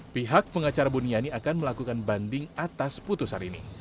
pihak pengacara buniani akan melakukan banding atas putusan ini